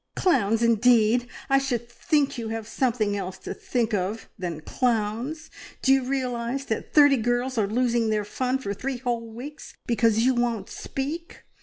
"Clowns indeed! I should think you have something else to think of than clowns! Do you realise that thirty girls are losing their fun for three whole weeks because you won't speak?